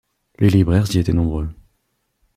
Les libraires y étaient nombreux.